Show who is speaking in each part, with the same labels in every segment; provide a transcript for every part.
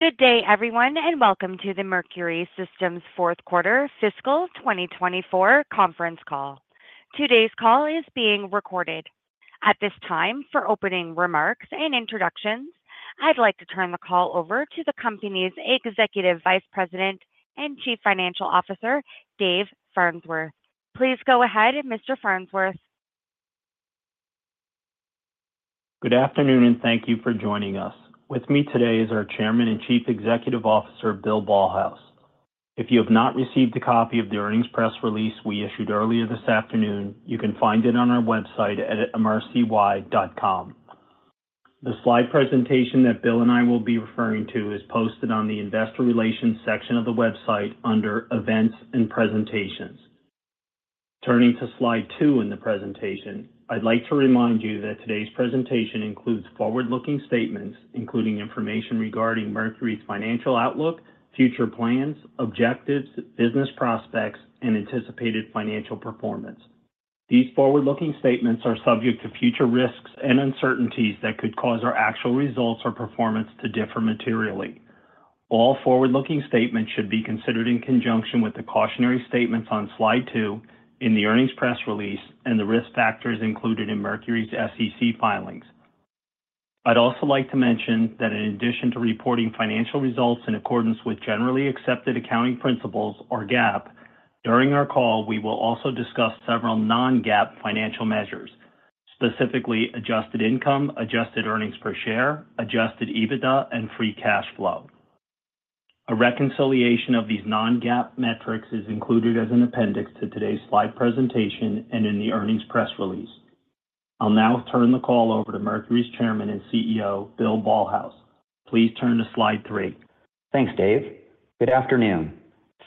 Speaker 1: Good day, everyone, and welcome to the Mercury Systems fourth quarter fiscal 2024 conference call. Today's call is being recorded. At this time, for opening remarks and introductions, I'd like to turn the call over to the company's Executive Vice President and Chief Financial Officer, Dave Farnsworth. Please go ahead, Mr. Farnsworth.
Speaker 2: Good afternoon, and thank you for joining us. With me today is our Chairman and Chief Executive Officer, Bill Ballhaus. If you have not received a copy of the earnings press release we issued earlier this afternoon, you can find it on our website at mrcy.com. The slide presentation that Bill and I will be referring to is posted on the Investor Relations section of the website under Events and Presentations. Turning to slide 2 in the presentation, I'd like to remind you that today's presentation includes forward-looking statements, including information regarding Mercury's financial outlook, future plans, objectives, business prospects, and anticipated financial performance. These forward-looking statements are subject to future risks and uncertainties that could cause our actual results or performance to differ materially. All forward-looking statements should be considered in conjunction with the cautionary statements on slide two in the earnings press release and the risk factors included in Mercury's SEC filings. I'd also like to mention that in addition to reporting financial results in accordance with generally accepted accounting principles, or GAAP, during our call, we will also discuss several non-GAAP financial measures, specifically adjusted income, adjusted earnings per share, adjusted EBITDA, and free cash flow. A reconciliation of these non-GAAP metrics is included as an appendix to today's slide presentation and in the earnings press release. I'll now turn the call over to Mercury's Chairman and CEO, Bill Ballhaus. Please turn to slide three.
Speaker 3: Thanks, Dave. Good afternoon.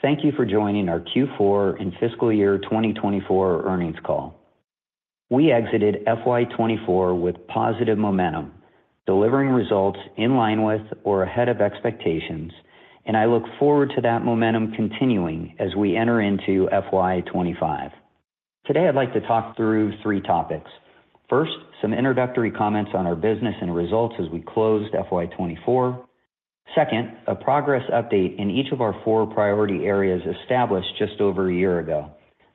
Speaker 3: Thank you for joining our Q4 and fiscal year 2024 earnings call. We exited FY 2024 with positive momentum, delivering results in line with or ahead of expectations, and I look forward to that momentum continuing as we enter into FY 2025. Today, I'd like to talk through three topics. First, some introductory comments on our business and results as we closed FY 2024. Second, a progress update in each of our four priority areas established just over a year ago: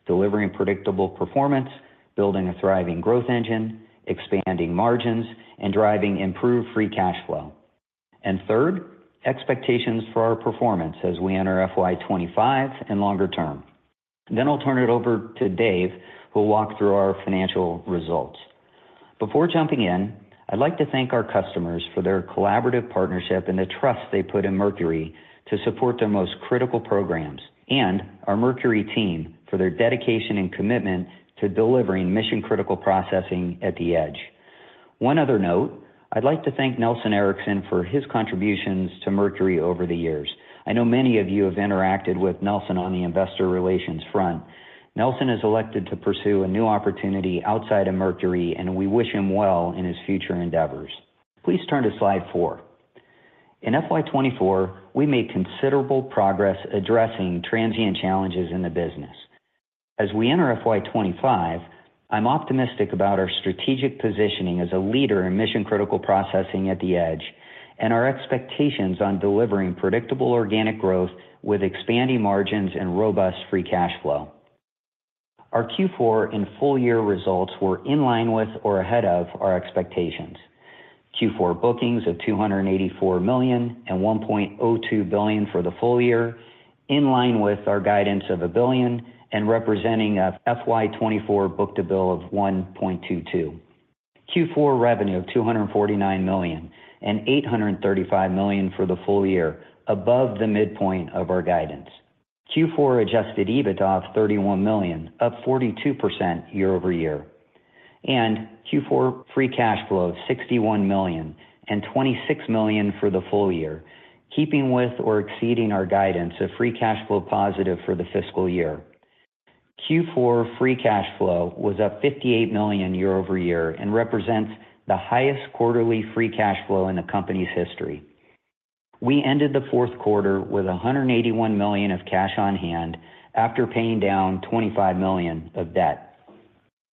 Speaker 3: delivering predictable performance, building a thriving growth engine, expanding margins, and driving improved free cash flow. And third, expectations for our performance as we enter FY 2025 and longer term. Then I'll turn it over to Dave, who will walk through our financial results. Before jumping in, I'd like to thank our customers for their collaborative partnership and the trust they put in Mercury to support their most critical programs, and our Mercury team for their dedication and commitment to delivering mission-critical processing at the edge. One other note, I'd like to thank Nelson Erickson for his contributions to Mercury over the years. I know many of you have interacted with Nelson on the investor relations front. Nelson has elected to pursue a new opportunity outside of Mercury, and we wish him well in his future endeavors. Please turn to slide 4. In FY 2024, we made considerable progress addressing transient challenges in the business. As we enter FY 2025, I'm optimistic about our strategic positioning as a leader in mission-critical processing at the edge and our expectations on delivering predictable organic growth with expanding margins and robust free cash flow. Our Q4 and full year results were in line with or ahead of our expectations. Q4 bookings of $284 million and $1.02 billion for the full year, in line with our guidance of $1 billion and representing a FY 2024 book-to-bill of 1.22. Q4 revenue of $249 million, and $835 million for the full year, above the midpoint of our guidance. Q4 Adjusted EBITDA of $31 million, up 42% year-over-year, and Q4 free cash flow of $61 million and $26 million for the full year, keeping with or exceeding our guidance of free cash flow positive for the fiscal year. Q4 free cash flow was up $58 million year-over-year and represents the highest quarterly free cash flow in the company's history. We ended the fourth quarter with $181 million of cash on hand after paying down $25 million of debt.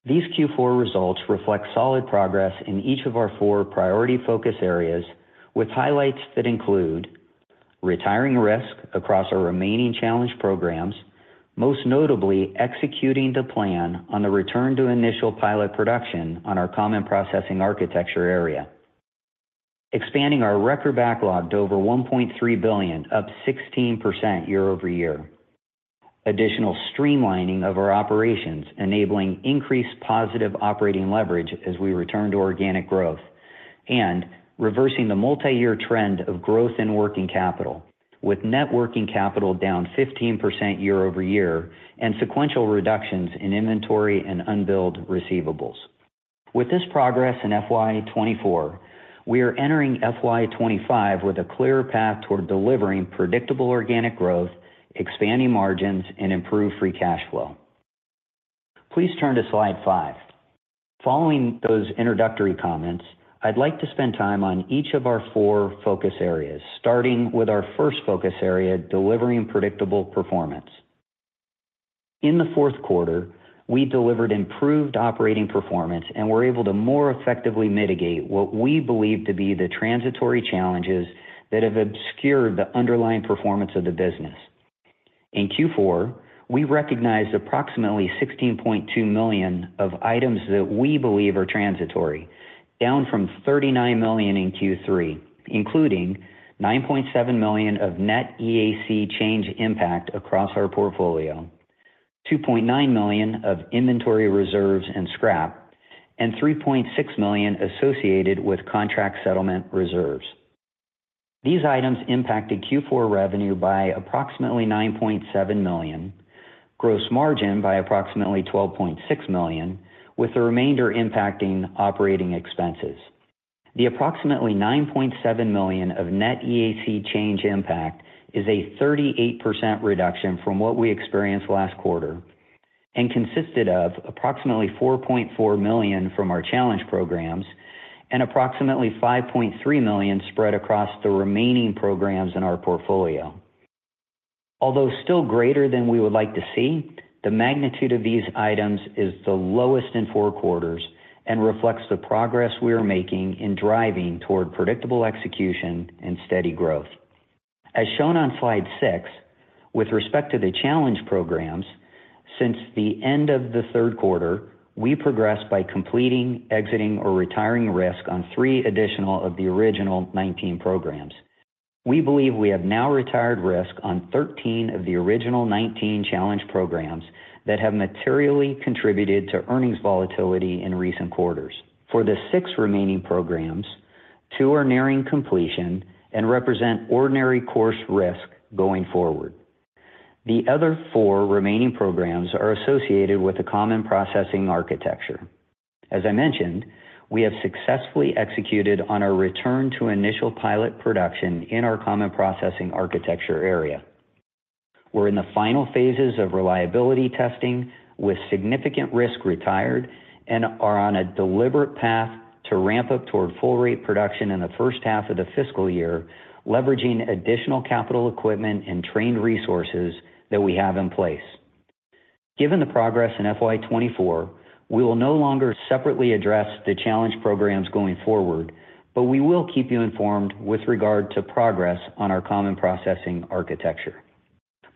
Speaker 3: These Q4 results reflect solid progress in each of our four priority focus areas, with highlights that include retiring risk across our remaining challenged programs, most notably executing the plan on the return to initial pilot production on our Common Processing Architecture area, expanding our record backlog to over $1.3 billion, up 16% year-over-year. Additional streamlining of our operations, enabling increased positive operating leverage as we return to organic growth and reversing the multi-year trend of growth in working capital, with net working capital down 15% year-over-year and sequential reductions in inventory and unbilled receivables. With this progress in FY 2024, we are entering FY 2025 with a clear path toward delivering predictable organic growth, expanding margins, and improved free cash flow. Please turn to slide 5. Following those introductory comments, I'd like to spend time on each of our 4 focus areas, starting with our first focus area, delivering predictable performance. In the fourth quarter, we delivered improved operating performance and were able to more effectively mitigate what we believe to be the transitory challenges that have obscured the underlying performance of the business. In Q4, we recognized approximately $16.2 million of items that we believe are transitory, down from $39 million in Q3, including $9.7 million of net EAC change impact across our portfolio, $2.9 million of inventory reserves and scrap, and $3.6 million associated with contract settlement reserves. These items impacted Q4 revenue by approximately $9.7 million, gross margin by approximately $12.6 million, with the remainder impacting operating expenses. The approximately $9.7 million of net EAC change impact is a 38% reduction from what we experienced last quarter and consisted of approximately $4.4 million from our Challenge Programs and approximately $5.3 million spread across the remaining programs in our portfolio. Although still greater than we would like to see, the magnitude of these items is the lowest in four quarters and reflects the progress we are making in driving toward predictable execution and steady growth. As shown on slide 6, with respect to the Challenge Programs, since the end of the third quarter, we progressed by completing, exiting, or retiring risk on 3 additional of the original 19 programs. We believe we have now retired risk on 13 of the original 19 Challenge Programs that have materially contributed to earnings volatility in recent quarters. For the six remaining programs, two are nearing completion and represent ordinary course risk going forward. The other four remaining programs are associated with the Common Processing Architecture. As I mentioned, we have successfully executed on our return to initial pilot production in our Common Processing Architecture area. We're in the final phases of reliability testing with significant risk retired and are on a deliberate path to ramp up toward full rate production in the first half of the fiscal year, leveraging additional capital equipment and trained resources that we have in place. Given the progress in FY 2024, we will no longer separately address the Challenge Programs going forward, but we will keep you informed with regard to progress on our Common Processing Architecture.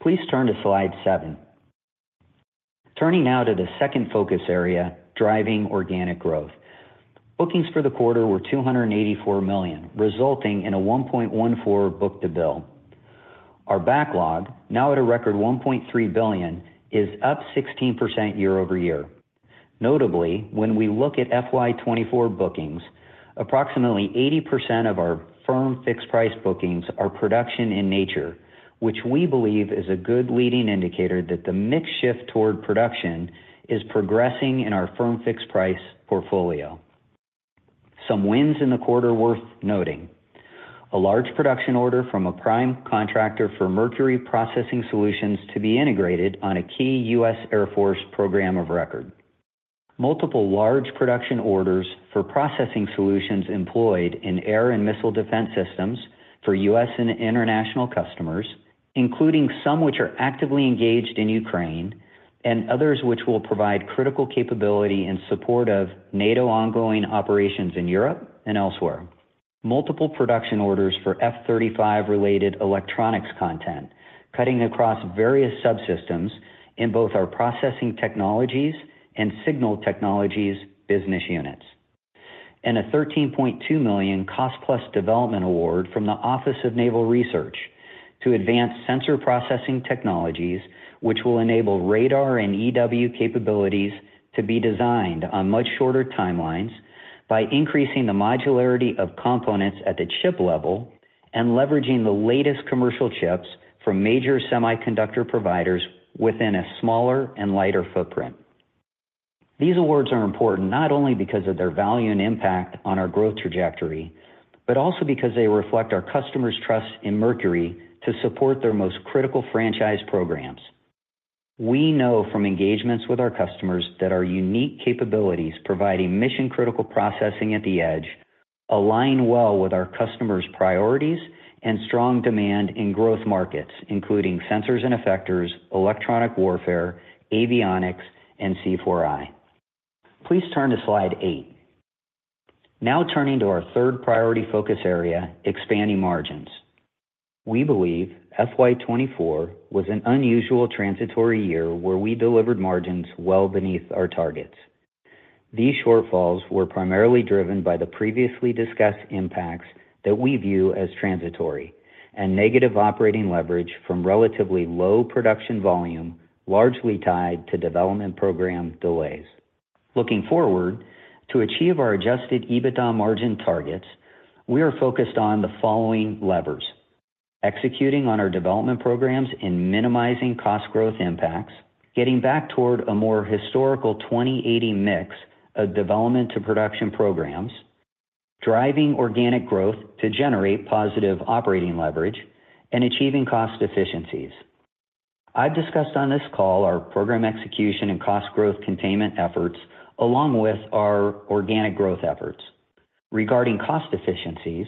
Speaker 3: Please turn to slide 7. Turning now to the second focus area, driving organic growth. Bookings for the quarter were $284 million, resulting in a 1.14 book-to-bill. Our backlog, now at a record $1.3 billion, is up 16% year-over-year. Notably, when we look at FY 2024 bookings, approximately 80% of our firm fixed price bookings are production in nature, which we believe is a good leading indicator that the mix shift toward production is progressing in our firm fixed price portfolio. Some wins in the quarter worth noting: A large production order from a prime contractor for Mercury Processing Solutions to be integrated on a key U.S. Air Force program of record. Multiple large production orders for processing solutions employed in air and missile defense systems for U.S. and international customers, including some which are actively engaged in Ukraine and others which will provide critical capability in support of NATO ongoing operations in Europe and elsewhere. Multiple production orders for F-35 related electronics content, cutting across various subsystems in both our Processing Technologies and Signal Technologies business units. A $13.2 million cost plus development award from the Office of Naval Research to advance sensor Processing Technologies, which will enable radar and EW capabilities to be designed on much shorter timelines by increasing the modularity of components at the chip level and leveraging the latest commercial chips from major semiconductor providers within a smaller and lighter footprint. These awards are important not only because of their value and impact on our growth trajectory, but also because they reflect our customers' trust in Mercury to support their most critical franchise programs. We know from engagements with our customers that our unique capabilities providing mission-critical processing at the edge align well with our customers' priorities and strong demand in growth markets, including sensors and effectors, electronic warfare, avionics, and C4I. Please turn to slide 8. Now turning to our third priority focus area, expanding margins. We believe FY 2024 was an unusual transitory year where we delivered margins well beneath our targets. These shortfalls were primarily driven by the previously discussed impacts that we view as transitory and negative operating leverage from relatively low production volume, largely tied to development program delays. Looking forward, to achieve our adjusted EBITDA margin targets, we are focused on the following levers: executing on our development programs and minimizing cost growth impacts, getting back toward a more historical 20-80 mix of development to production programs, driving organic growth to generate positive operating leverage, and achieving cost efficiencies. I've discussed on this call our program execution and cost growth containment efforts, along with our organic growth efforts. Regarding cost efficiencies,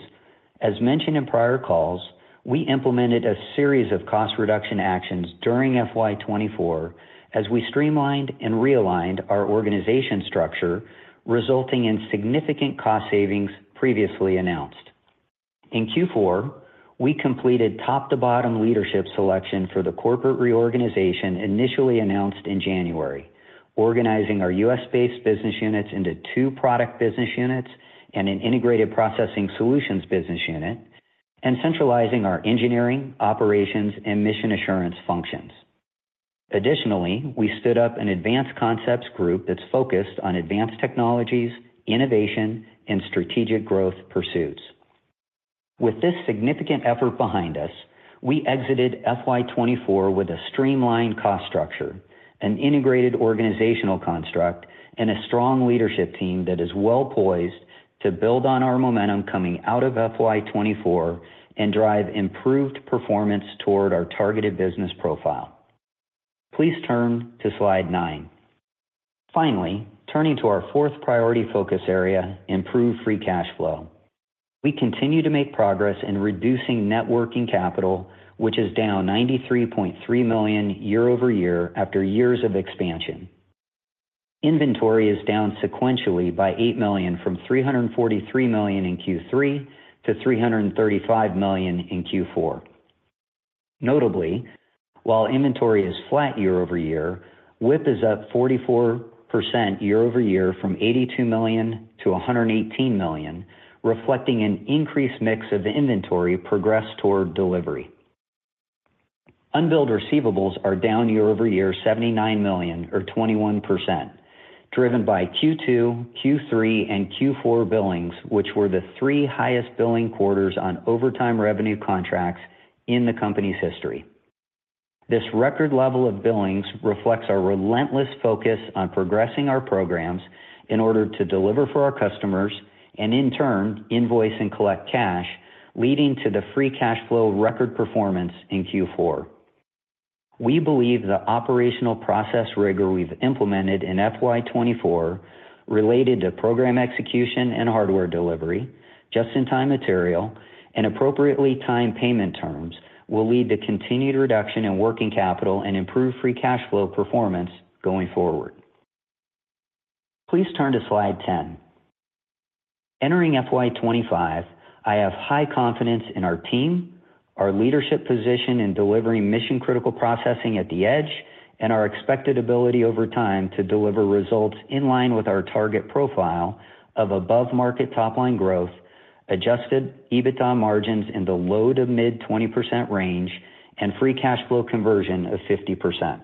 Speaker 3: as mentioned in prior calls, we implemented a series of cost reduction actions during FY 2024 as we streamlined and realigned our organization structure, resulting in significant cost savings previously announced. In Q4, we completed top-to-bottom leadership selection for the corporate reorganization initially announced in January, organizing our U.S.-based business units into two product business units and an integrated processing solutions business unit, and centralizing our engineering, operations, and mission assurance functions. Additionally, we stood up an Advanced Concepts Group that's focused on advanced technologies, innovation, and strategic growth pursuits. With this significant effort behind us, we exited FY 2024 with a streamlined cost structure, an integrated organizational construct, and a strong leadership team that is well-poised to build on our momentum coming out of FY 2024 and drive improved performance toward our targeted business profile. Please turn to slide 9. Finally, turning to our fourth priority focus area, improved free cash flow. We continue to make progress in reducing net working capital, which is down $93.3 million year-over-year after years of expansion. Inventory is down sequentially by $8 million from $343 million in Q3 to $335 million in Q4. Notably, while inventory is flat year over year, WIP is up 44% year over year from $82 million to $118 million, reflecting an increased mix of inventory progress toward delivery. Unbilled receivables are down year over year, $79 million or 21%, driven by Q2, Q3, and Q4 billings, which were the three highest billing quarters on overtime revenue contracts in the company's history. This record level of billings reflects our relentless focus on progressing our programs in order to deliver for our customers and in turn, invoice and collect cash, leading to the free cash flow record performance in Q4. We believe the operational process rigor we've implemented in FY 2024 related to program execution and hardware delivery, just-in-time material, and appropriately timed payment terms will lead to continued reduction in working capital and improved free cash flow performance going forward. Please turn to slide 10. Entering FY 2025, I have high confidence in our team, our leadership position in delivering mission-critical processing at the edge, and our expected ability over time to deliver results in line with our target profile of above-market top-line growth, adjusted EBITDA margins in the low-to-mid 20% range, and free cash flow conversion of 50%.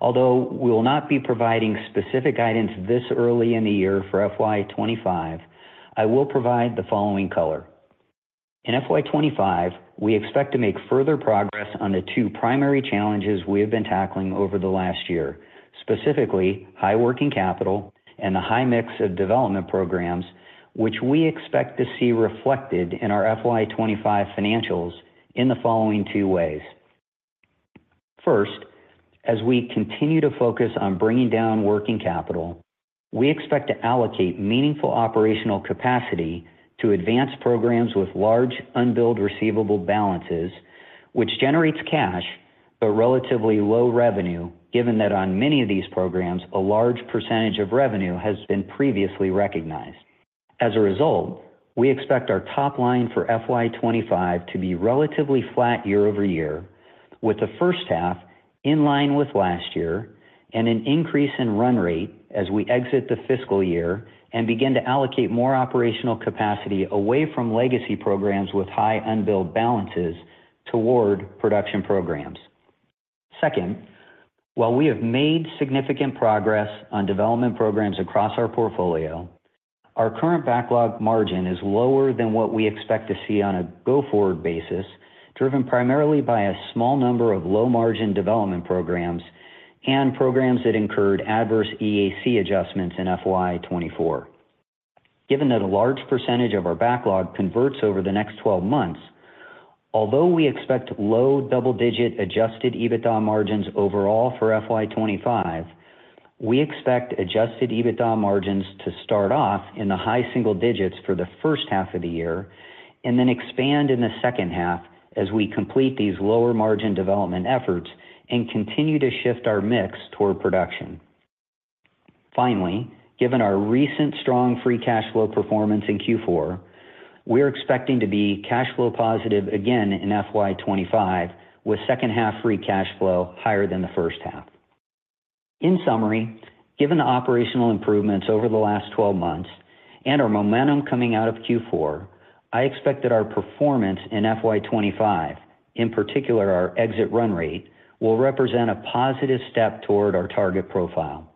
Speaker 3: Although we will not be providing specific guidance this early in the year for FY 2025, I will provide the following color. In FY 2025, we expect to make further progress on the two primary challenges we have been tackling over the last year. Specifically, high working capital and the high mix of development programs, which we expect to see reflected in our FY 25 financials in the following two ways: First, as we continue to focus on bringing down working capital, we expect to allocate meaningful operational capacity to advance programs with large unbilled receivable balances, which generates cash, but relatively low revenue, given that on many of these programs, a large percentage of revenue has been previously recognized. As a result, we expect our top line for FY 25 to be relatively flat year-over-year, with the first half in line with last year, and an increase in run rate as we exit the fiscal year and begin to allocate more operational capacity away from legacy programs with high unbilled balances toward production programs. Second, while we have made significant progress on development programs across our portfolio, our current backlog margin is lower than what we expect to see on a go-forward basis, driven primarily by a small number of low-margin development programs and programs that incurred adverse EAC adjustments in FY 2024. Given that a large percentage of our backlog converts over the next 12 months, although we expect low double-digit Adjusted EBITDA margins overall for FY 2025, we expect Adjusted EBITDA margins to start off in the high single digits for the first half of the year, and then expand in the second half as we complete these lower-margin development efforts and continue to shift our mix toward production. Finally, given our recent strong free cash flow performance in Q4, we are expecting to be cash flow positive again in FY 25, with second half free cash flow higher than the first half. In summary, given the operational improvements over the last 12 months and our momentum coming out of Q4, I expect that our performance in FY 25, in particular, our exit run rate, will represent a positive step toward our target profile.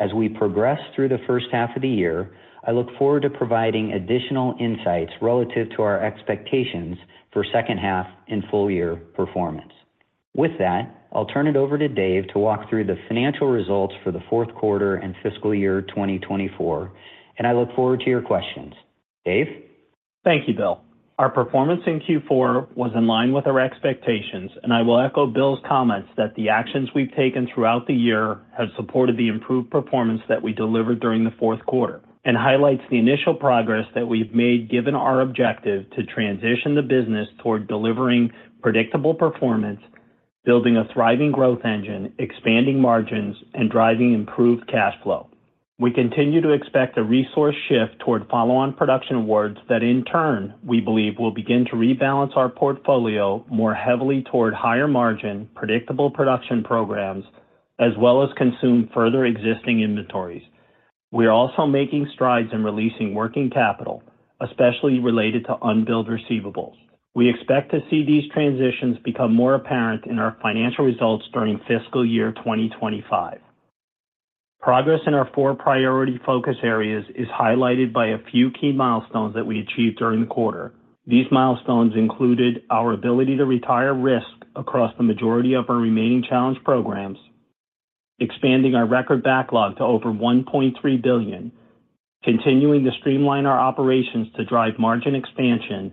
Speaker 3: As we progress through the first half of the year, I look forward to providing additional insights relative to our expectations for second half and full year performance. With that, I'll turn it over to Dave to walk through the financial results for the fourth quarter and fiscal year 2024, and I look forward to your questions. Dave?...
Speaker 2: Thank you, Bill. Our performance in Q4 was in line with our expectations, and I will echo Bill's comments that the actions we've taken throughout the year have supported the improved performance that we delivered during the fourth quarter, and highlights the initial progress that we've made, given our objective to transition the business toward delivering predictable performance, building a thriving growth engine, expanding margins, and driving improved cash flow. We continue to expect a resource shift toward follow-on production awards that in turn, we believe, will begin to rebalance our portfolio more heavily toward higher margin, predictable production programs, as well as consume further existing inventories. We are also making strides in releasing working capital, especially related to unbilled receivables. We expect to see these transitions become more apparent in our financial results during fiscal year 2025. Progress in our four priority focus areas is highlighted by a few key milestones that we achieved during the quarter. These milestones included our ability to retire risk across the majority of our remaining challenged programs, expanding our record backlog to over $1.3 billion, continuing to streamline our operations to drive margin expansion,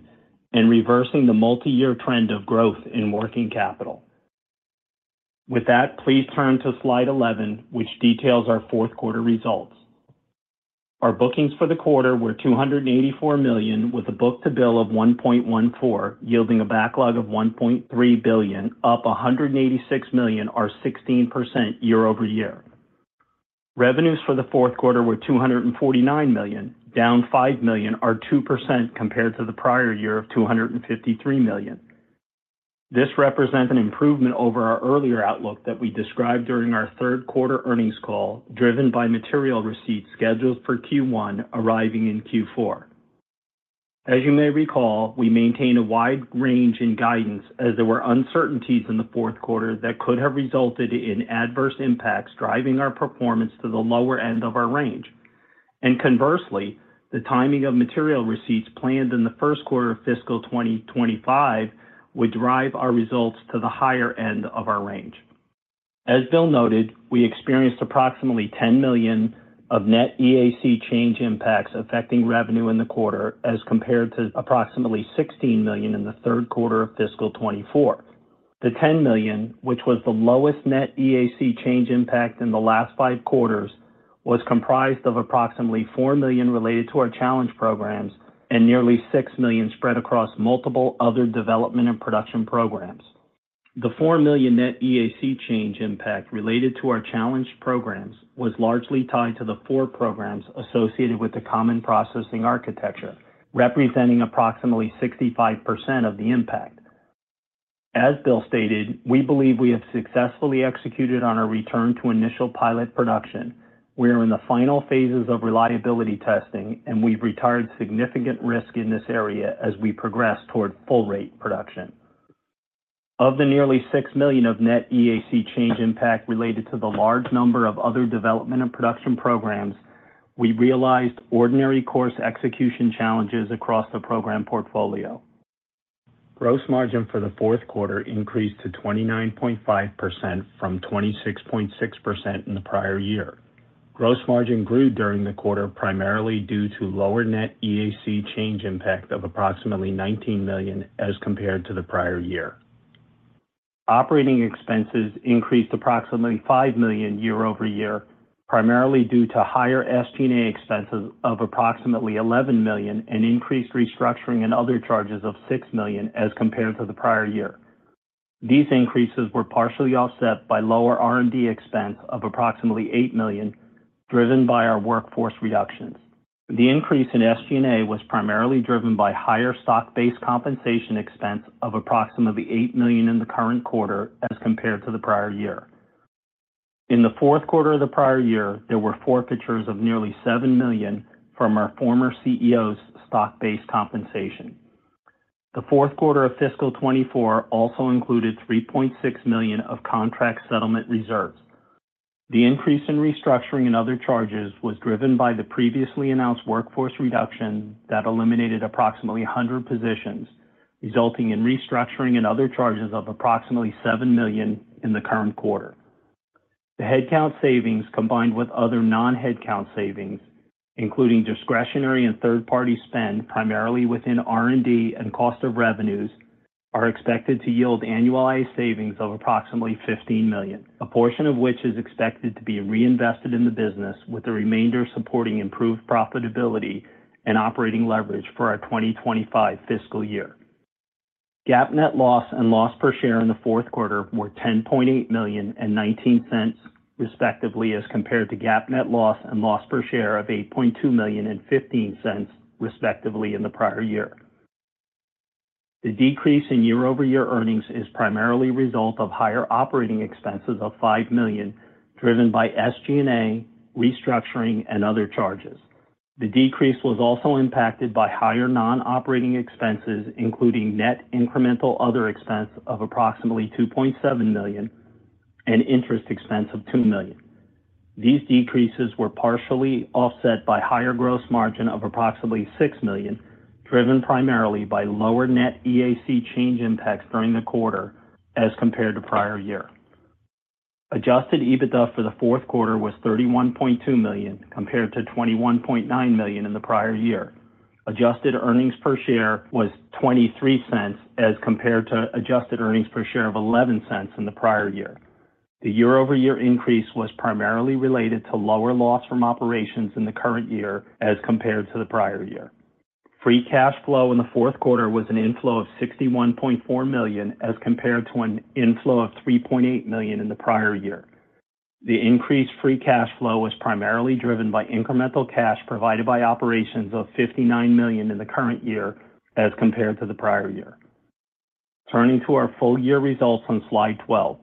Speaker 2: and reversing the multi-year trend of growth in working capital. With that, please turn to slide 11, which details our fourth quarter results. Our bookings for the quarter were $284 million, with a book-to-bill of 1.14, yielding a backlog of $1.3 billion, up $186 million or 16% year-over-year. Revenues for the fourth quarter were $249 million, down $5 million or 2% compared to the prior year of $253 million. This represents an improvement over our earlier outlook that we described during our third quarter earnings call, driven by material receipts scheduled for Q1, arriving in Q4. As you may recall, we maintained a wide range in guidance as there were uncertainties in the fourth quarter that could have resulted in adverse impacts, driving our performance to the lower end of our range. And conversely, the timing of material receipts planned in the first quarter of fiscal 2025 would drive our results to the higher end of our range. As Bill noted, we experienced approximately $10 million of net EAC change impacts affecting revenue in the quarter, as compared to approximately $16 million in the third quarter of fiscal 2024. The $10 million, which was the lowest net EAC change impact in the last 5 quarters, was comprised of approximately $4 million related to our Challenge Programs and nearly $6 million spread across multiple other development and production programs. The $4 million net EAC change impact related to our challenged programs was largely tied to the 4 programs associated with the Common Processing Architecture, representing approximately 65% of the impact. As Bill stated, we believe we have successfully executed on our return to initial pilot production. We are in the final phases of reliability testing, and we've retired significant risk in this area as we progress toward full-rate production. Of the nearly $6 million of net EAC change impact related to the large number of other development and production programs, we realized ordinary course execution challenges across the program portfolio. Gross margin for the fourth quarter increased to 29.5% from 26.6% in the prior year. Gross margin grew during the quarter, primarily due to lower net EAC change impact of approximately $19 million as compared to the prior year. Operating expenses increased approximately $5 million year-over-year, primarily due to higher SG&A expenses of approximately $11 million and increased restructuring and other charges of $6 million as compared to the prior year. These increases were partially offset by lower R&D expense of approximately $8 million, driven by our workforce reductions. The increase in SG&A was primarily driven by higher stock-based compensation expense of approximately $8 million in the current quarter as compared to the prior year. In the fourth quarter of the prior year, there were forfeitures of nearly $7 million from our former CEO's stock-based compensation. The fourth quarter of fiscal 2024 also included $3.6 million of contract settlement reserves. The increase in restructuring and other charges was driven by the previously announced workforce reduction that eliminated approximately 100 positions, resulting in restructuring and other charges of approximately $7 million in the current quarter. The headcount savings, combined with other non-headcount savings, including discretionary and third-party spend, primarily within R&D and cost of revenues, are expected to yield annualized savings of approximately $15 million. A portion of which is expected to be reinvested in the business, with the remainder supporting improved profitability and operating leverage for our 2025 fiscal year. GAAP net loss and loss per share in the fourth quarter were $10.8 million and $0.19, respectively, as compared to GAAP net loss and loss per share of $8.2 million and $0.15, respectively, in the prior year. The decrease in year-over-year earnings is primarily a result of higher operating expenses of $5 million, driven by SG&A, restructuring, and other charges. The decrease was also impacted by higher non-operating expenses, including net incremental other expense of approximately $2.7 million and interest expense of $2 million. These decreases were partially offset by higher gross margin of approximately $6 million, driven primarily by lower net EAC change impacts during the quarter as compared to prior year. Adjusted EBITDA for the fourth quarter was $31.2 million, compared to $21.9 million in the prior year. Adjusted earnings per share was $0.23, as compared to adjusted earnings per share of $0.11 in the prior year. The year-over-year increase was primarily related to lower loss from operations in the current year as compared to the prior year. Free cash flow in the fourth quarter was an inflow of $61.4 million, as compared to an inflow of $3.8 million in the prior year. The increased free cash flow was primarily driven by incremental cash provided by operations of $59 million in the current year as compared to the prior year. Turning to our full year results on slide 12.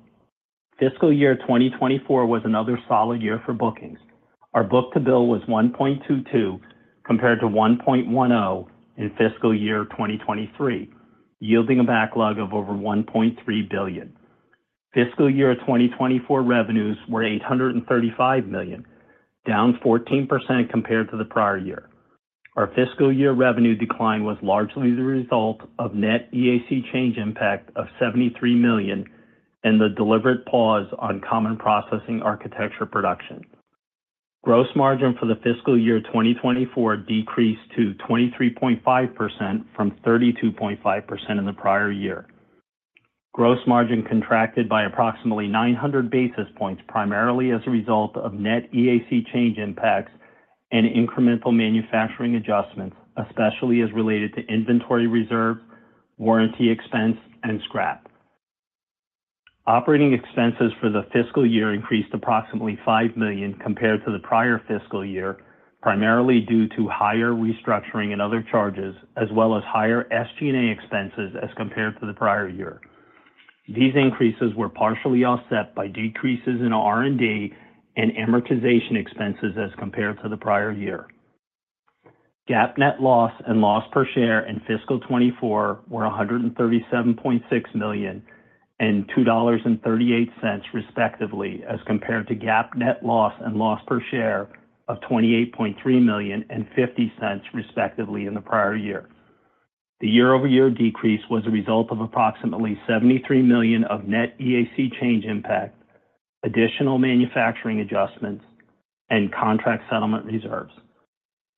Speaker 2: Fiscal year 2024 was another solid year for bookings. Our book-to-bill was 1.22, compared to 1.1 in fiscal year 2023, yielding a backlog of over $1.3 billion. Fiscal year 2024 revenues were $835 million, down 14% compared to the prior year. Our fiscal year revenue decline was largely the result of Net EAC change impact of $73 million and the deliberate pause on Common Processing Architecture production. Gross margin for the fiscal year 2024 decreased to 23.5% from 32.5% in the prior year. Gross margin contracted by approximately 900 basis points, primarily as a result of Net EAC change impacts and incremental manufacturing adjustments, especially as related to inventory reserve, warranty expense, and scrap. Operating expenses for the fiscal year increased approximately $5 million compared to the prior fiscal year, primarily due to higher restructuring and other charges, as well as higher SG&A expenses as compared to the prior year. These increases were partially offset by decreases in R&D and amortization expenses as compared to the prior year. GAAP net loss and loss per share in fiscal 2024 were $137.6 million and $2.38, respectively, as compared to GAAP net loss and loss per share of $28.3 million and $0.50, respectively, in the prior year. The year-over-year decrease was a result of approximately $73 million of net EAC change impact, additional manufacturing adjustments, and contract settlement reserves.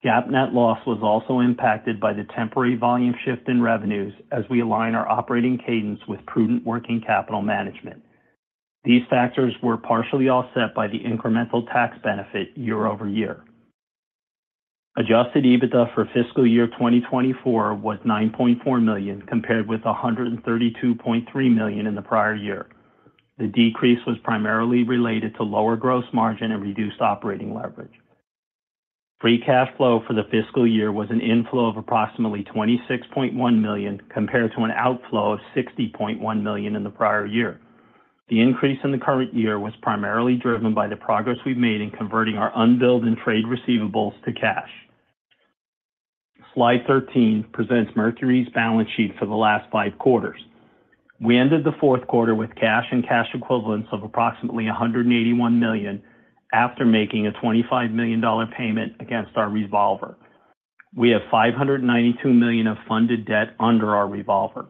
Speaker 2: GAAP net loss was also impacted by the temporary volume shift in revenues as we align our operating cadence with prudent working capital management. These factors were partially offset by the incremental tax benefit year over year. Adjusted EBITDA for fiscal year 2024 was $9.4 million, compared with $132.3 million in the prior year. The decrease was primarily related to lower gross margin and reduced operating leverage. Free cash flow for the fiscal year was an inflow of approximately $26.1 million, compared to an outflow of $60.1 million in the prior year. The increase in the current year was primarily driven by the progress we've made in converting our unbilled and trade receivables to cash. Slide 13 presents Mercury's balance sheet for the last five quarters. We ended the fourth quarter with cash and cash equivalents of approximately $181 million, after making a $25 million payment against our revolver. We have $592 million of funded debt under our revolver.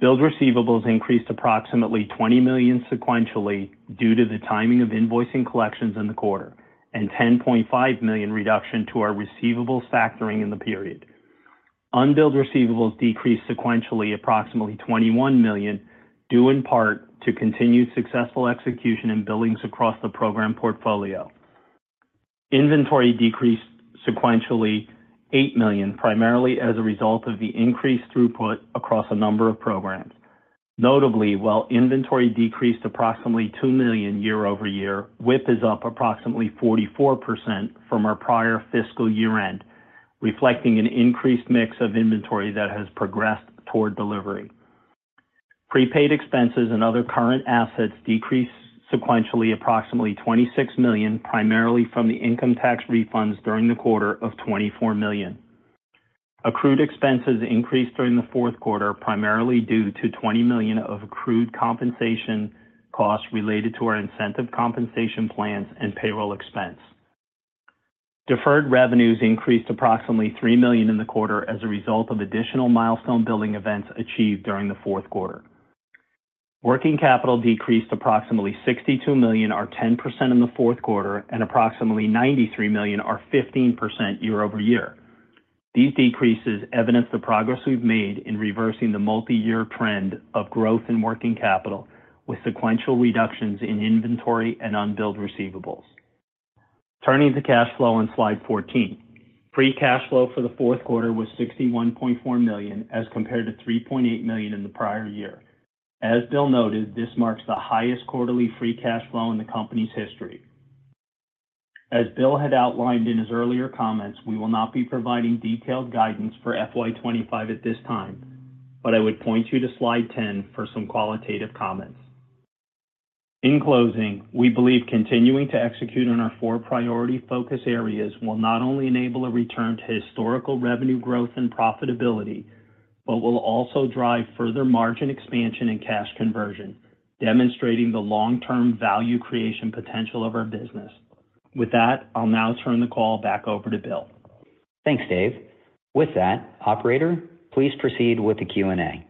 Speaker 2: Billed receivables increased approximately $20 million sequentially due to the timing of invoicing collections in the quarter and $10.5 million reduction to our receivables factoring in the period. Unbilled receivables decreased sequentially, approximately $21 million, due in part to continued successful execution and billings across the program portfolio. Inventory decreased sequentially $8 million, primarily as a result of the increased throughput across a number of programs. Notably, while inventory decreased approximately $2 million year over year, WIP is up approximately 44% from our prior fiscal year-end, reflecting an increased mix of inventory that has progressed toward delivery. Prepaid expenses and other current assets decreased sequentially, approximately $26 million, primarily from the income tax refunds during the quarter of $24 million. Accrued expenses increased during the fourth quarter, primarily due to $20 million of accrued compensation costs related to our incentive compensation plans and payroll expense. Deferred revenues increased approximately $3 million in the quarter as a result of additional milestone billing events achieved during the fourth quarter. Working capital decreased approximately $62 million or 10% in the fourth quarter, and approximately $93 million or 15% year-over-year. These decreases evidence the progress we've made in reversing the multi-year trend of growth in working capital with sequential reductions in inventory and unbilled receivables. Turning to cash flow on slide 14. Free cash flow for the fourth quarter was $61.4 million, as compared to $3.8 million in the prior year. As Bill noted, this marks the highest quarterly free cash flow in the company's history. As Bill had outlined in his earlier comments, we will not be providing detailed guidance for FY 2025 at this time, but I would point you to slide 10 for some qualitative comments. In closing, we believe continuing to execute on our four priority focus areas will not only enable a return to historical revenue growth and profitability, but will also drive further margin expansion and cash conversion, demonstrating the long-term value creation potential of our business. With that, I'll now turn the call back over to Bill....
Speaker 3: Thanks, Dave. With that, operator, please proceed with the Q&A.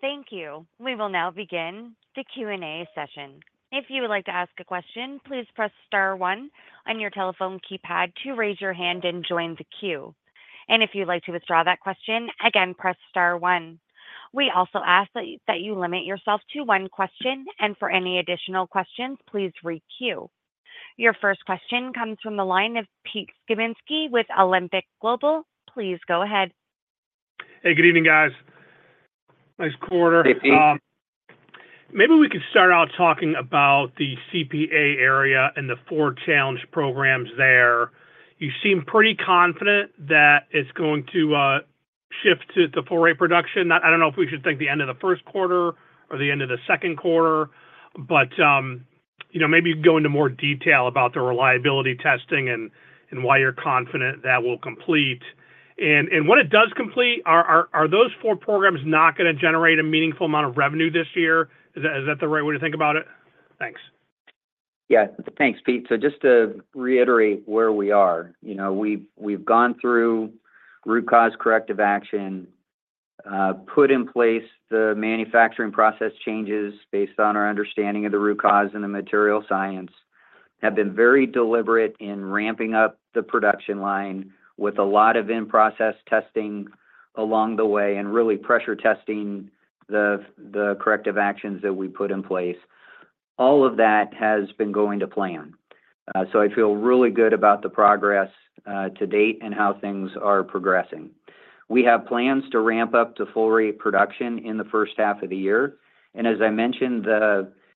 Speaker 1: Thank you. We will now begin the Q&A session. If you would like to ask a question, please press star one on your telephone keypad to raise your hand and join the queue. And if you'd like to withdraw that question, again, press star one. We also ask that you limit yourself to one question, and for any additional questions, please re-queue. Your first question comes from the line of Pete Skibitski with Alembic Global. Please go ahead.
Speaker 4: Hey, good evening, guys. Nice quarter.
Speaker 3: Hey, Pete.
Speaker 4: Maybe we could start out talking about the CPA area and the four Challenge Programs there. You seem pretty confident that it's going to shift to full rate production. I don't know if we should think the end of the first quarter or the end of the second quarter, but you know, maybe go into more detail about the reliability testing and why you're confident that will complete. When it does complete, are those four programs not gonna generate a meaningful amount of revenue this year? Is that the right way to think about it? Thanks.
Speaker 3: Yeah. Thanks, Pete. So just to reiterate where we are, you know, we've gone through root cause corrective action, put in place the manufacturing process changes based on our understanding of the root cause and the material science. Have been very deliberate in ramping up the production line with a lot of in-process testing along the way, and really pressure testing the corrective actions that we put in place. All of that has been going to plan. So I feel really good about the progress to date and how things are progressing. We have plans to ramp up to full rate production in the first half of the year, and as I mentioned,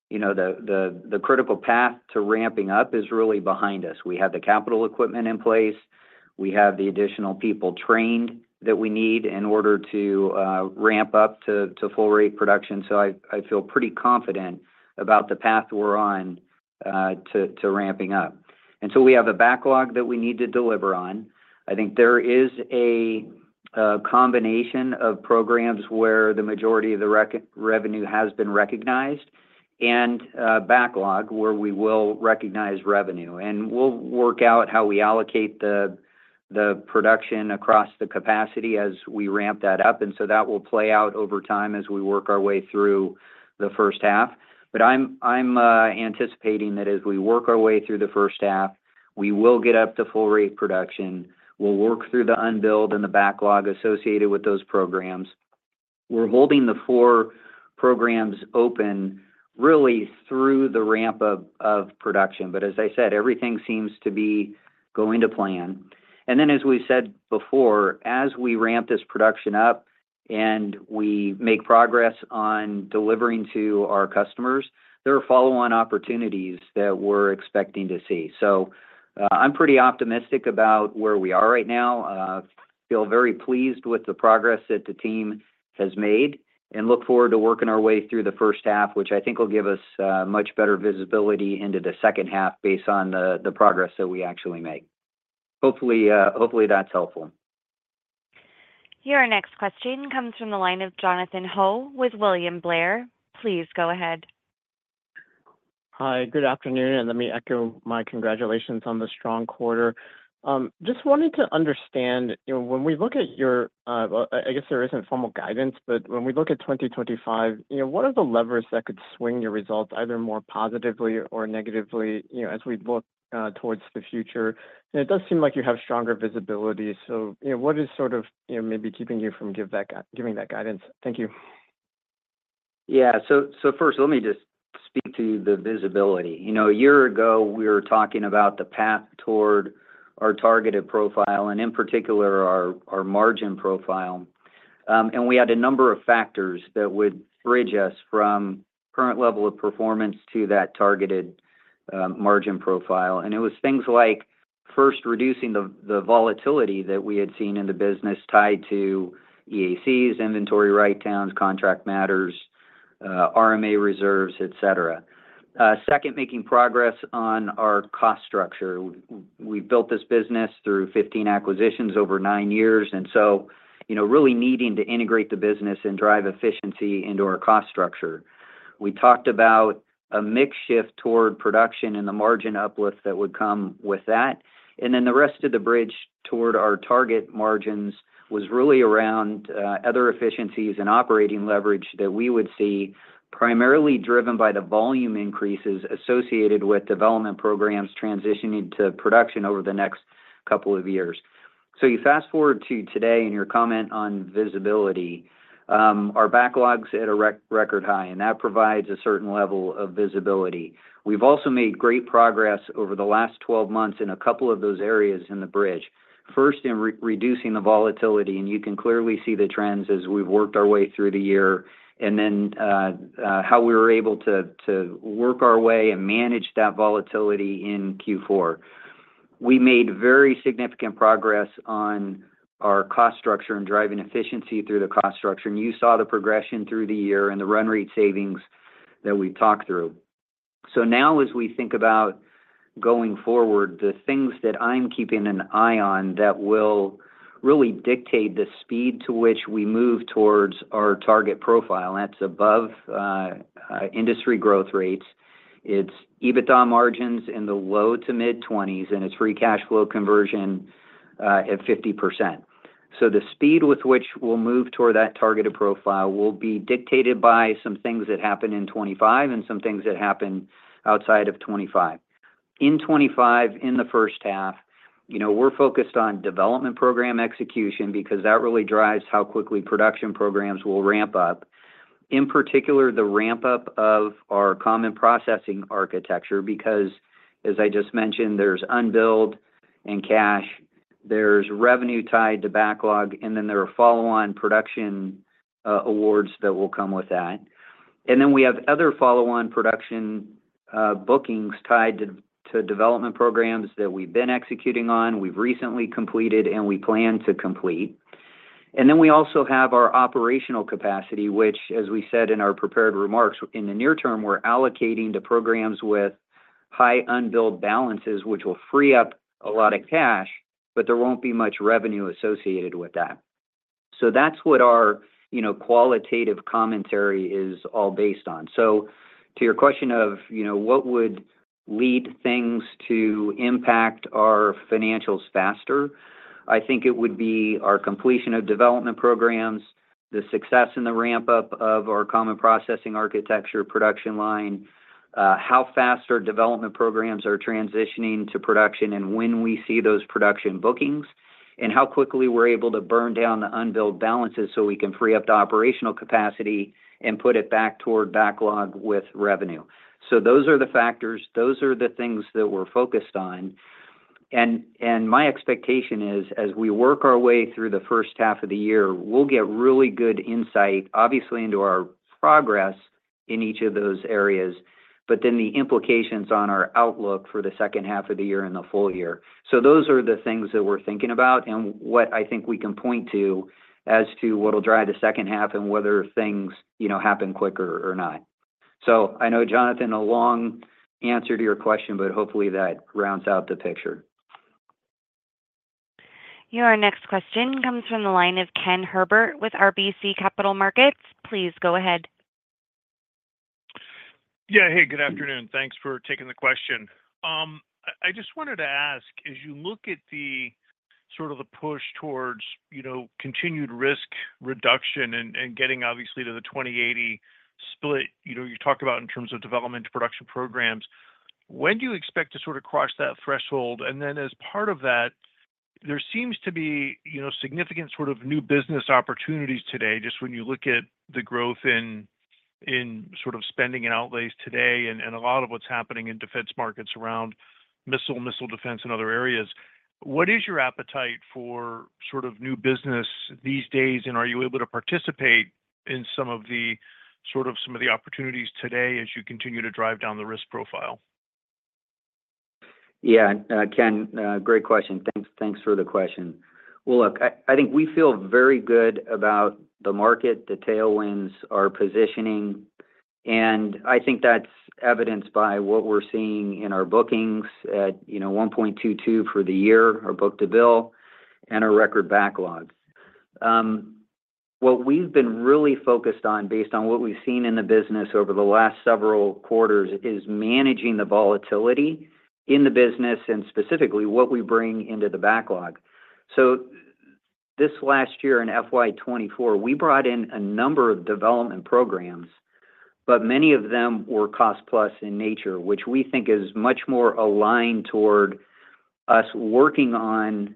Speaker 3: you know, the critical path to ramping up is really behind us. We have the capital equipment in place. We have the additional people trained that we need in order to ramp up to full rate production. So I feel pretty confident about the path we're on to ramping up. And so we have a backlog that we need to deliver on. I think there is a combination of programs where the majority of the revenue has been recognized, and a backlog where we will recognize revenue. And we'll work out how we allocate the production across the capacity as we ramp that up, and so that will play out over time as we work our way through the first half. But I'm anticipating that as we work our way through the first half, we will get up to full rate production. We'll work through the unbilled and the backlog associated with those programs. We're holding the four programs open, really, through the ramp of production. But as I said, everything seems to be going to plan. And then, as we said before, as we ramp this production up and we make progress on delivering to our customers, there are follow-on opportunities that we're expecting to see. So, I'm pretty optimistic about where we are right now. Feel very pleased with the progress that the team has made and look forward to working our way through the first half, which I think will give us much better visibility into the second half based on the progress that we actually make. Hopefully, that's helpful.
Speaker 1: Your next question comes from the line of Jonathan Ho with William Blair. Please go ahead.
Speaker 5: Hi, good afternoon, and let me echo my congratulations on the strong quarter. Just wanted to understand, you know, when we look at your... Well, I guess there isn't formal guidance, but when we look at 2025, you know, what are the levers that could swing your results either more positively or negatively, you know, as we look towards the future? And it does seem like you have stronger visibility. So, you know, what is sort of, you know, maybe keeping you from giving that guidance? Thank you.
Speaker 3: Yeah. So first, let me just speak to the visibility. You know, a year ago, we were talking about the path toward our targeted profile, and in particular, our margin profile. And we had a number of factors that would bridge us from current level of performance to that targeted margin profile. It was things like, first, reducing the volatility that we had seen in the business tied to EACs, inventory write-downs, contract matters, RMA reserves, et cetera. Second, making progress on our cost structure. We built this business through 15 acquisitions over nine years, and so, you know, really needing to integrate the business and drive efficiency into our cost structure. We talked about a mix shift toward production and the margin uplifts that would come with that. And then the rest of the bridge toward our target margins was really around other efficiencies and operating leverage that we would see, primarily driven by the volume increases associated with development programs transitioning to production over the next couple of years. You fast-forward to today and your comment on visibility, our backlog's at a record high, and that provides a certain level of visibility. We've also made great progress over the last twelve months in a couple of those areas in the bridge. First, in reducing the volatility, and you can clearly see the trends as we've worked our way through the year, and then, how we were able to work our way and manage that volatility in Q4. We made very significant progress on our cost structure and driving efficiency through the cost structure, and you saw the progression through the year and the run rate savings that we talked through. So now as we think about going forward, the things that I'm keeping an eye on that will really dictate the speed to which we move towards our target profile, and that's above industry growth rates. It's EBITDA margins in the low to mid-20s, and it's free cash flow conversion at 50%. So the speed with which we'll move toward that targeted profile will be dictated by some things that happen in 2025 and some things that happen outside of 2025. In 2025, in the first half, you know, we're focused on development program execution because that really drives how quickly production programs will ramp up. In particular, the ramp-up of our Common Processing Architecture, because as I just mentioned, there's unbilled and cash, there's revenue tied to backlog, and then there are follow-on production awards that will come with that. And then we have other follow-on production bookings tied to development programs that we've been executing on, we've recently completed, and we plan to complete. And then we also have our operational capacity, which, as we said in our prepared remarks, in the near term, we're allocating to programs with high unbilled balances, which will free up a lot of cash, but there won't be much revenue associated with that. So that's what our, you know, qualitative commentary is all based on. So to your question of, you know, what would lead things to impact our financials faster? I think it would be our completion of development programs, the success in the ramp-up of our Common Processing Architecture production line, how fast our development programs are transitioning to production, and when we see those production bookings, and how quickly we're able to burn down the unbilled balances so we can free up the operational capacity and put it back toward backlog with revenue. So those are the factors, those are the things that we're focused on. And my expectation is as we work our way through the first half of the year, we'll get really good insight, obviously, into our progress in each of those areas, but then the implications on our outlook for the second half of the year and the full year. So those are the things that we're thinking about and what I think we can point to as to what will drive the second half and whether things, you know, happen quicker or not. So I know, Jonathan, a long answer to your question, but hopefully that rounds out the picture.
Speaker 1: Your next question comes from the line of Ken Herbert with RBC Capital Markets. Please go ahead.
Speaker 6: Yeah, hey, good afternoon. Thanks for taking the question. I just wanted to ask, as you look at the sort of the push towards, you know, continued risk reduction and getting obviously to the 20/80 split, you know, you talked about in terms of development to production programs, when do you expect to sort of cross that threshold? And then as part of that, there seems to be, you know, significant sort of new business opportunities today, just when you look at the growth in sort of spending and outlays today, and a lot of what's happening in defense markets around missile defense and other areas. What is your appetite for sort of new business these days, and are you able to participate in some of the sort of opportunities today as you continue to drive down the risk profile?
Speaker 3: Yeah, Ken, great question. Thanks, thanks for the question. Well, look, I, I think we feel very good about the market, the tailwinds, our positioning, and I think that's evidenced by what we're seeing in our bookings at, you know, 1.22 for the year, our book-to-bill, and our record backlogs. What we've been really focused on based on what we've seen in the business over the last several quarters, is managing the volatility in the business and specifically what we bring into the backlog. So this last year in FY 2024, we brought in a number of development programs, but many of them were cost-plus in nature, which we think is much more aligned toward us working on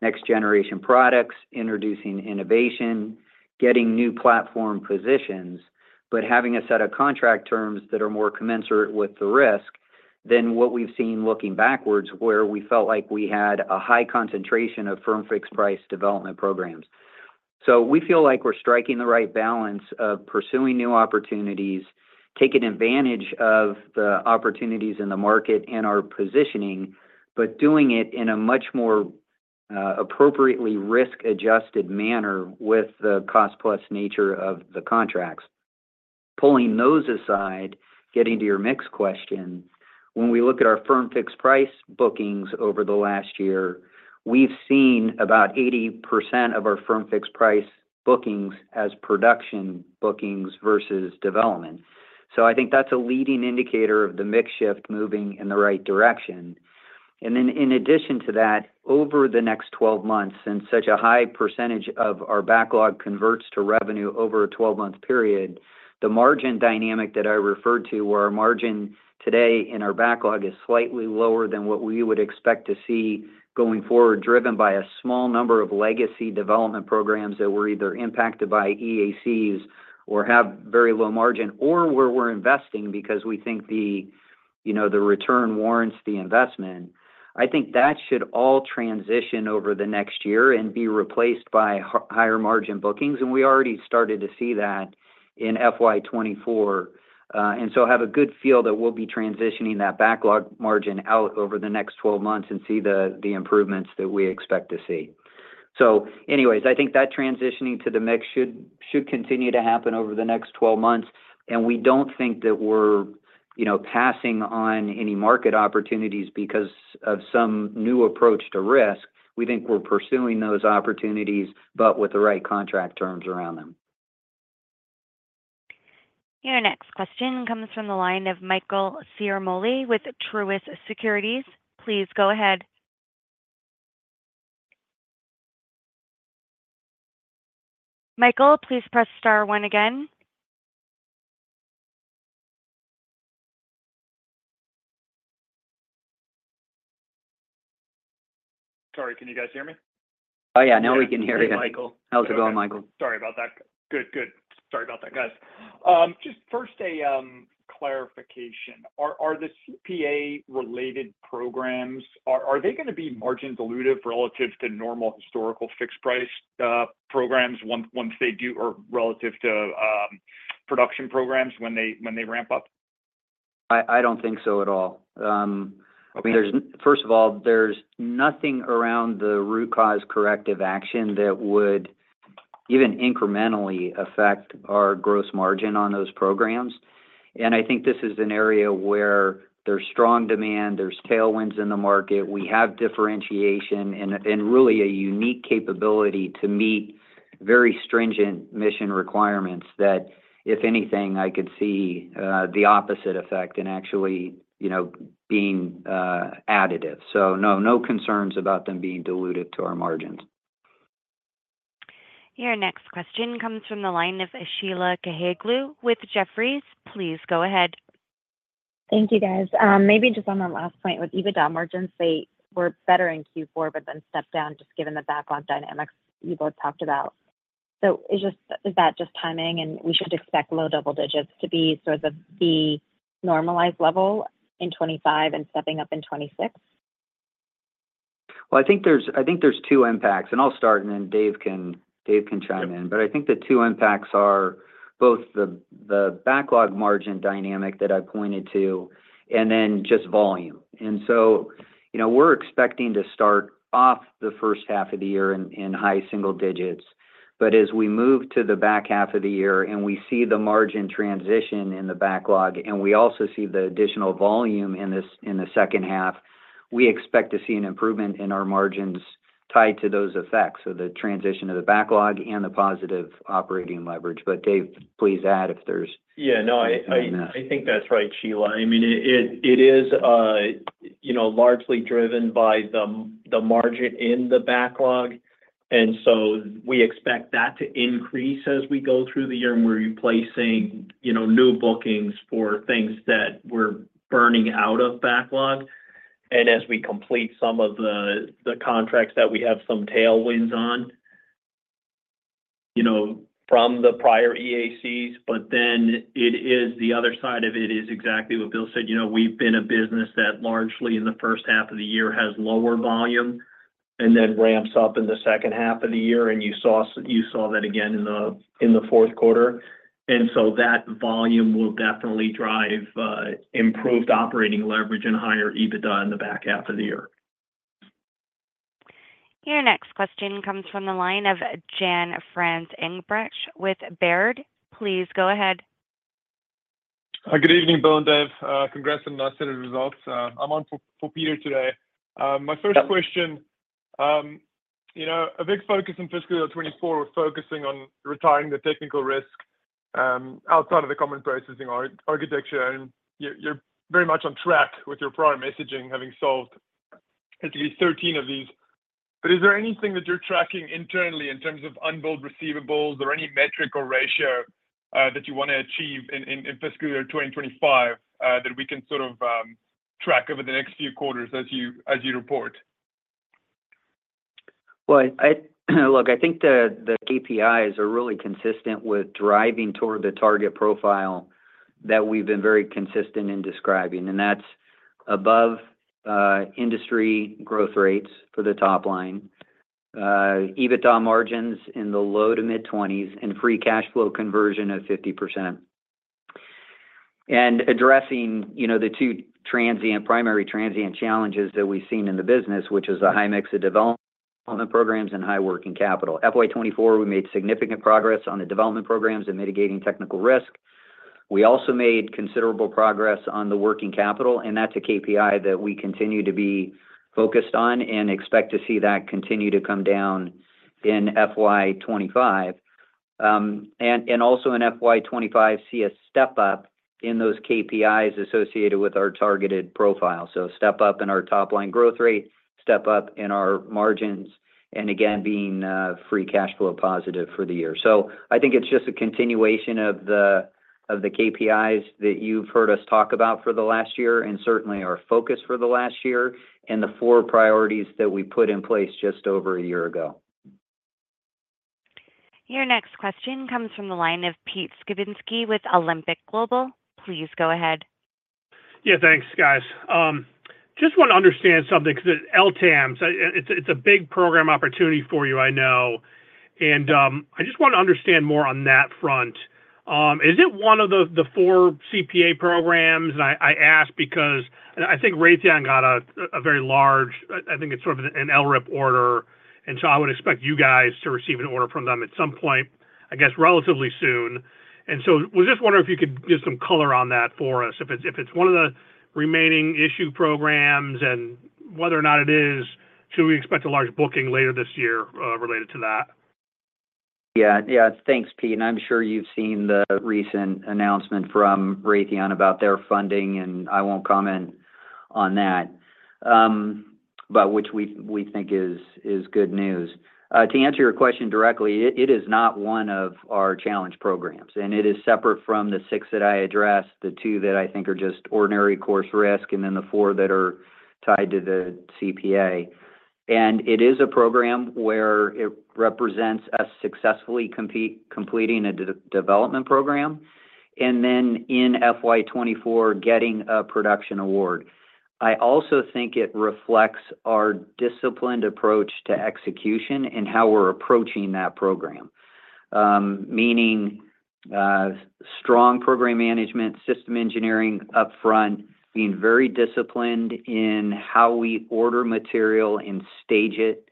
Speaker 3: next-generation products, introducing innovation, getting new platform positions, but having a set of contract terms that are more commensurate with the risk than what we've seen looking backwards, where we felt like we had a high concentration of firm-fixed-price development programs. So we feel like we're striking the right balance of pursuing new opportunities, taking advantage of the opportunities in the market and our positioning, but doing it in a much more appropriately risk-adjusted manner with the cost-plus nature of the contracts. Pulling those aside, getting to your mix question, when we look at our firm-fixed-price bookings over the last year, we've seen about 80% of our firm-fixed-price bookings as production bookings versus development. So I think that's a leading indicator of the mix shift moving in the right direction. And then in addition to that, over the next twelve months, and such a high percentage of our backlog converts to revenue over a twelve-month period, the margin dynamic that I referred to, where our margin today in our backlog is slightly lower than what we would expect to see going forward, driven by a small number of legacy development programs that were either impacted by EACs or have very low margin, or where we're investing because we think the, you know, the return warrants the investment. I think that should all transition over the next year and be replaced by higher margin bookings, and we already started to see that in FY 2024. And so have a good feel that we'll be transitioning that backlog margin out over the next 12 months and see the improvements that we expect to see. So anyways, I think that transitioning to the mix should continue to happen over the next 12 months, and we don't think that we're, you know, passing on any market opportunities because of some new approach to risk. We think we're pursuing those opportunities, but with the right contract terms around them.
Speaker 1: Your next question comes from the line of Michael Ciarmoli with Truist Securities. Please go ahead. Michael, please press star one again.
Speaker 7: Sorry, can you guys hear me?
Speaker 3: Oh, yeah, now we can hear you, Michael. How's it going, Michael?
Speaker 7: Sorry about that. Good, good. Sorry about that, guys. Just first, a clarification. Are the CPA-related programs gonna be margin dilutive relative to normal historical fixed price programs once they do or relative to production programs when they ramp up?
Speaker 3: I don't think so at all. I mean, there's first of all, there's nothing around the root cause corrective action that would even incrementally affect our gross margin on those programs. And I think this is an area where there's strong demand, there's tailwinds in the market. We have differentiation and really a unique capability to meet very stringent mission requirements that, if anything, I could see the opposite effect and actually, you know, being additive. So no, no concerns about them being diluted to our margins.
Speaker 1: Your next question comes from the line of Sheila Kahyaoglu with Jefferies. Please go ahead.
Speaker 8: Thank you, guys. Maybe just on the last point with EBITDA margins, they were better in Q4, but then stepped down, just given the backlog dynamics you both talked about. So is that just timing, and we should expect low double digits to be sort of the normalized level in 25 and stepping up in 26?
Speaker 3: Well, I think there's two impacts, and I'll start, and then Dave can chime in. But I think the two impacts are both the backlog margin dynamic that I pointed to, and then just volume. And so, you know, we're expecting to start off the first half of the year in high single digits. But as we move to the back half of the year and we see the margin transition in the backlog, and we also see the additional volume in the second half, we expect to see an improvement in our margins tied to those effects, so the transition of the backlog and the positive operating leverage. But Dave, please add if there's-
Speaker 2: Yeah, no, I think that's right, Sheila. I mean, it is, you know, largely driven by the margin in the backlog, and so we expect that to increase as we go through the year. And we're replacing, you know, new bookings for things that we're burning out of backlog. And as we complete some of the contracts that we have some tailwinds on, you know, from the prior EACs. But then the other side of it is exactly what Bill said. You know, we've been a business that largely, in the first half of the year, has lower volume, and then ramps up in the second half of the year. And you saw that again in the fourth quarter. And so that volume will definitely drive, uh, improved operating leverage and higher EBITDA in the back half of the year.
Speaker 1: Your next question comes from the line of Jan-Frans Engelbrecht with Baird. Please go ahead.
Speaker 9: Good evening, Bill and Dave. Congrats on a nice set of results. I'm on for Peter today. My first question, you know, a big focus in fiscal year 2024 was focusing on retiring the technical risk outside of the Common Processing Architecture, and you're very much on track with your prior messaging, having solved at least 13 of these. But is there anything that you're tracking internally in terms of unbilled receivables or any metric or ratio that you want to achieve in fiscal year 2025 that we can sort of track over the next few quarters as you report?
Speaker 3: Well, look, I think the KPIs are really consistent with driving toward the target profile that we've been very consistent in describing, and that's above industry growth rates for the top line, EBITDA margins in the low- to mid-20s, and free cash flow conversion of 50%. Addressing, you know, the two primary transient challenges that we've seen in the business, which is a high mix of development programs and high working capital. FY 2024, we made significant progress on the development programs and mitigating technical risk. We also made considerable progress on the working capital, and that's a KPI that we continue to be focused on and expect to see that continue to come down in FY 2025. And also in FY 2025, see a step up in those KPIs associated with our targeted profile. So step up in our top line growth rate, step up in our margins, and again, being, free cash flow positive for the year. So I think it's just a continuation of the KPIs that you've heard us talk about for the last year, and certainly our focus for the last year, and the four priorities that we put in place just over a year ago.
Speaker 1: Your next question comes from the line of Pete Skibitski with Alembic Global Advisors. Please go ahead.
Speaker 4: Yeah, thanks, guys. Just want to understand something, because LTAMDS, it's a big program opportunity for you, I know. And, I just want to understand more on that front. Is it one of the four CPA programs? I ask because I think Raytheon got a very large... I think it's sort of an LRIP order, and so I would expect you guys to receive an order from them at some point, I guess, relatively soon. And so was just wondering if you could give some color on that for us, if it's one of the remaining C4I programs and whether or not it is?... so we expect a large booking later this year, related to that.
Speaker 3: Yeah. Yeah, thanks, Pete, and I'm sure you've seen the recent announcement from Raytheon about their funding, and I won't comment on that. But which we think is good news. To answer your question directly, it is not one of our Challenge Programs, and it is separate from the six that I addressed, the two that I think are just ordinary course risk, and then the four that are tied to the CPA. And it is a program where it represents us successfully completing a development program, and then in FY 2024, getting a production award. I also think it reflects our disciplined approach to execution and how we're approaching that program. Meaning strong program management, system engineering upfront, being very disciplined in how we order material and stage it,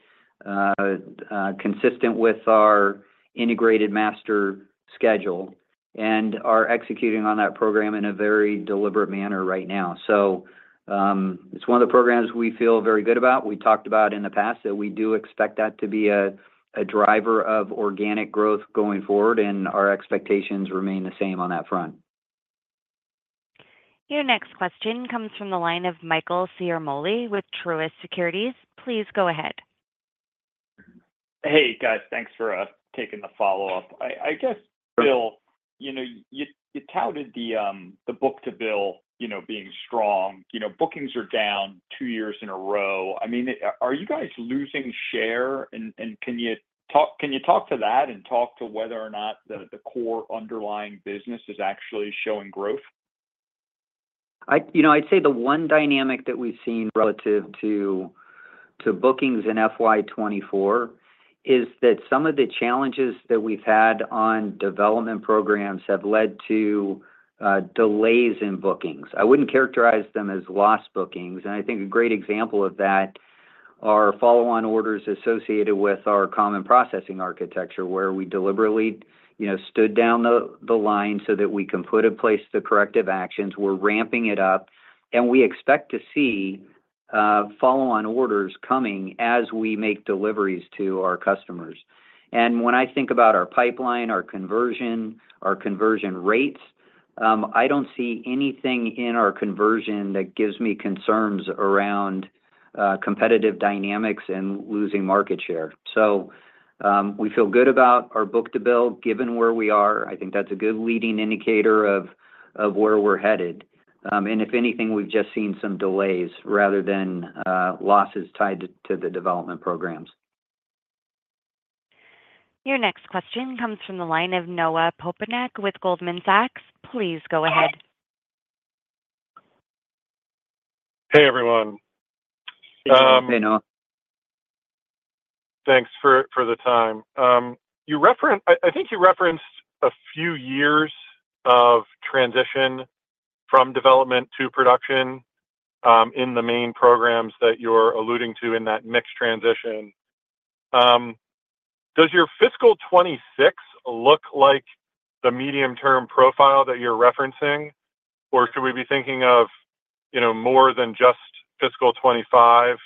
Speaker 3: consistent with our integrated master schedule, and are executing on that program in a very deliberate manner right now. So, it's one of the programs we feel very good about. We talked about in the past, that we do expect that to be a driver of organic growth going forward, and our expectations remain the same on that front.
Speaker 1: Your next question comes from the line of Michael Ciarmoli with Truist Securities. Please go ahead.
Speaker 7: Hey, guys. Thanks for taking the follow-up. I guess, Bill, you know, you touted the book-to-bill, you know, being strong. You know, bookings are down two years in a row. I mean, are you guys losing share? And can you talk to that and talk to whether or not the core underlying business is actually showing growth?
Speaker 3: You know, I'd say the one dynamic that we've seen relative to bookings in FY 2024 is that some of the challenges that we've had on development programs have led to delays in bookings. I wouldn't characterize them as lost bookings, and I think a great example of that are follow-on orders associated with our Common Processing Architecture, where we deliberately, you know, stood down the line so that we can put in place the corrective actions. We're ramping it up, and we expect to see follow-on orders coming as we make deliveries to our customers. And when I think about our pipeline, our conversion, our conversion rates, I don't see anything in our conversion that gives me concerns around competitive dynamics and losing market share. So, we feel good about our book-to-bill, given where we are. I think that's a good leading indicator of where we're headed. And if anything, we've just seen some delays rather than losses tied to the development programs.
Speaker 1: Your next question comes from the line of Noah Poponak with Goldman Sachs. Please go ahead.
Speaker 10: Hey, everyone.
Speaker 3: Hey, Noah.
Speaker 10: Thanks for the time. You referenced a few years of transition from development to production in the main programs that you're alluding to in that mixed transition. Does your fiscal 2026 look like the medium-term profile that you're referencing, or should we be thinking of, you know, more than just fiscal 2025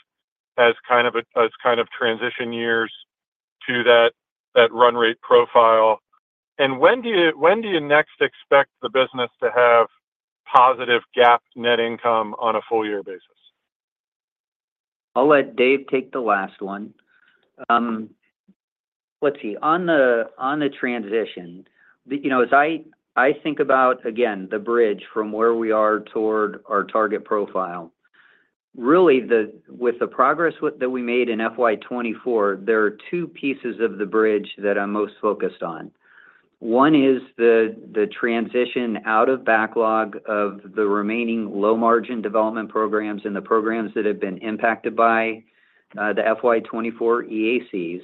Speaker 10: as kind of transition years to that run rate profile? And when do you next expect the business to have positive GAAP net income on a full year basis?
Speaker 3: I'll let Dave take the last one. Let's see. On the transition, you know, as I think about, again, the bridge from where we are toward our target profile, really, with the progress that we made in FY 2024, there are two pieces of the bridge that I'm most focused on. One is the transition out of backlog of the remaining low-margin development programs and the programs that have been impacted by the FY 2024 EACs.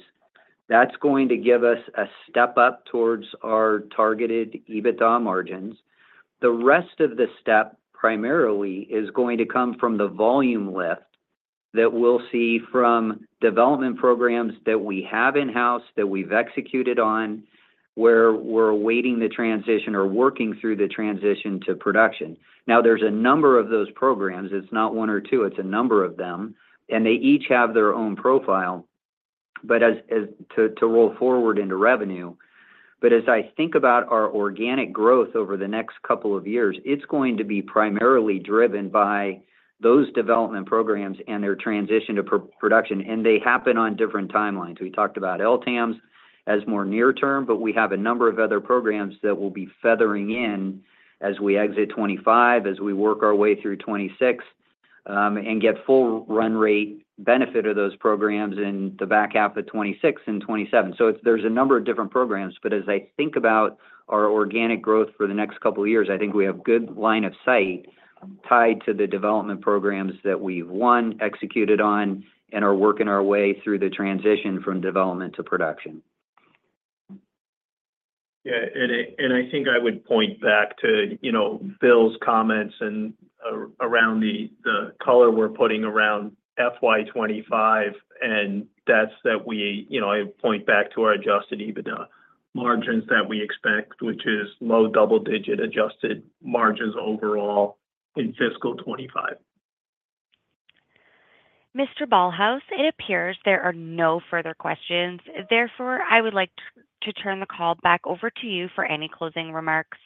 Speaker 3: That's going to give us a step up towards our targeted EBITDA margins. The rest of the step, primarily, is going to come from the volume lift that we'll see from development programs that we have in-house, that we've executed on, where we're awaiting the transition or working through the transition to production. Now, there's a number of those programs. It's not one or two, it's a number of them, and they each have their own profile. But as to roll forward into revenue. But as I think about our organic growth over the next couple of years, it's going to be primarily driven by those development programs and their transition to production, and they happen on different timelines. We talked about LTAMDS as more near term, but we have a number of other programs that will be feathering in as we exit 25, as we work our way through 26, and get full run rate benefit of those programs in the back half of 26 and 27. So there's a number of different programs, but as I think about our organic growth for the next couple of years, I think we have good line of sight tied to the development programs that we've won, executed on, and are working our way through the transition from development to production.
Speaker 2: Yeah, and I think I would point back to, you know, Bill's comments and around the color we're putting around FY 25, and that's that we... You know, I point back to our Adjusted EBITDA margins that we expect, which is low double digit adjusted margins overall in fiscal 25.
Speaker 1: Mr. Ballhaus, it appears there are no further questions. Therefore, I would like to turn the call back over to you for any closing remarks.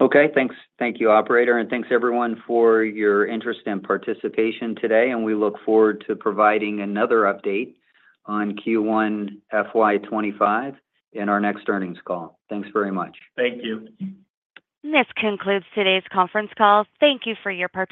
Speaker 3: Okay, thanks. Thank you, operator, and thanks, everyone, for your interest and participation today, and we look forward to providing another update on Q1 FY 2025 in our next earnings call. Thanks very much.
Speaker 2: Thank you.
Speaker 1: This concludes today's conference call. Thank you for your participation.